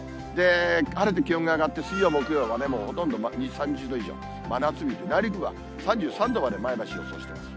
晴れて気温が上がって水曜、木曜はもうほとんど２、３０度以上、真夏日、内陸は３３度まで前橋予想しています。